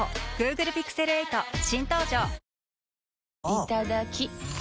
いただきっ！